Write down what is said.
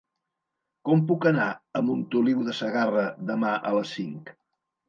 Com puc anar a Montoliu de Segarra demà a les cinc?